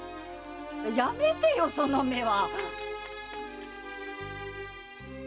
やめてよその目は！